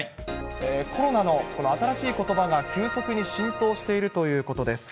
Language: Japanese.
コロナのこの新しいことばが、急速に浸透しているということです。